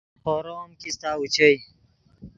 خورو ام کیستہ اوچئے